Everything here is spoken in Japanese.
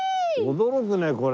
驚くねこれ。